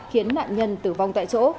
khiến nạn nhân tử vong tại chỗ